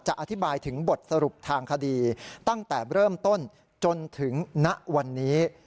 อธิบายถึงบทสรุปทางคดีตั้งแต่เริ่มต้นจนถึงณวันนี้